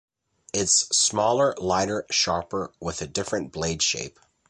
It's smaller lighter sharper with a different blade shape.